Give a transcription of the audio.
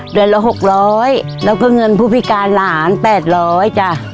เดือนละ๖๐๐แล้วก็เงินผู้พิการหลาน๘๐๐จ้ะ